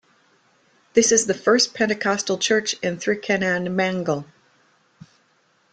This is the first Pentecostal Church in Thrikkannamngal.